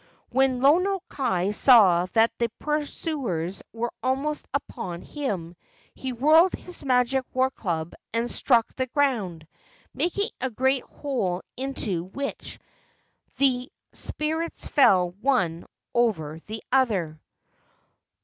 When Lono kai saw that the pursuers were almost upon him he whirled his magic war club and struck the ground, making a great hole into which the spirits fell one over the other.